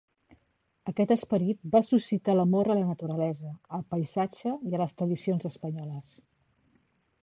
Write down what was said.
Aquest esperit va suscitar l’amor a la naturalesa, al paisatge i a les tradicions espanyoles.